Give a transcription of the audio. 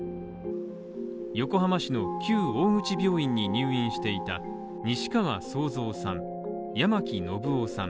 横浜市の旧大口病院に入院していた西川惣藏さん、八巻信雄さん